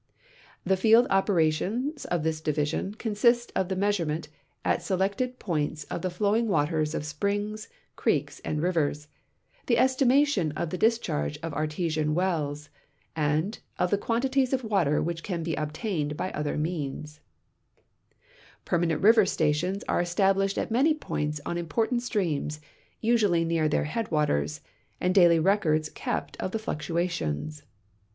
The field operations of this division consist of the nuaisurement at selected j)oints of the flowing waters of springs, erc('ks, and rivers, the estimation of the discliarge of artesian wells, and of the (piantities of water which can be obtained bv other metins. 148 HYDROGRAPHY IN THE UNITED STATES Permanent river stations are estaljlished at man}" points on im })ortant streams, usually near their headwaters, and daily records kept of the fluctuations.